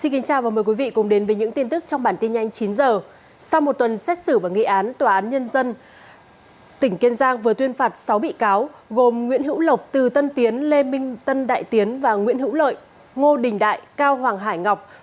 hãy đăng ký kênh để ủng hộ kênh của chúng mình nhé